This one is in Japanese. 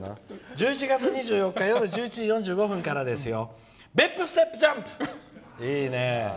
１１月２４日１１時４５分からですよ。